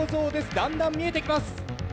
だんだん見えてきます。